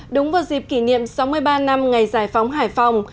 đúng vào dịp kỷ niệm sáu mươi ba năm ngày giải phóng hải phòng